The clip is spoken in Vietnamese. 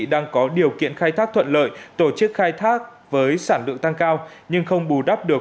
đang có điều kiện khai thác thuận lợi tổ chức khai thác với sản lượng tăng cao nhưng không bù đắp được